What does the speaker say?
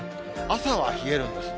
朝は冷えるんです。